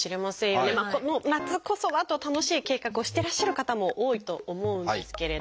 この夏こそはと楽しい計画をしてらっしゃる方も多いと思うんですけれども。